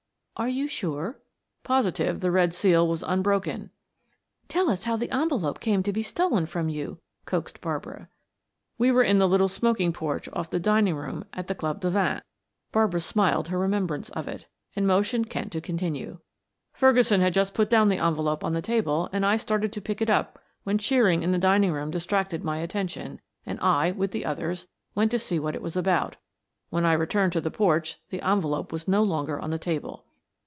"Are you sure?" "Positive; the red seal was unbroken." "Tell us how the envelope came to be stolen from you," coaxed Barbara. "We were in the little smoking porch off the dining room at the Club de Vingt." Barbara smiled her remembrance of it, and motioned Kent to continue. "Ferguson had just put down the envelope on the table and I started to pick it up when cheering in the dining room distracted my attention and I, with the others, went to see what it was about. When I returned to the porch the envelope was no longer on the table."